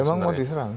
memang mau diserang